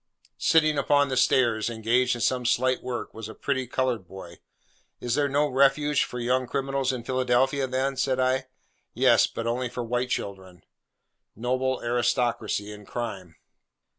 Sitting upon the stairs, engaged in some slight work, was a pretty coloured boy. 'Is there no refuge for young criminals in Philadelphia, then?' said I. 'Yes, but only for white children.' Noble aristocracy in crime!